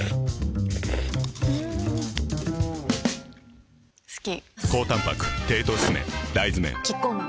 ん好き！